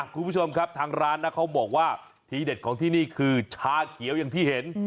คุณผู้ชมครับทางร้านนะเขาบอกว่าทีเด็ดของที่นี่คือชาเขียวอย่างที่เห็น